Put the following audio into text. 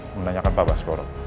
menanyakan pak baskoro